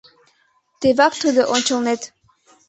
Тевак тудо — ончылнет.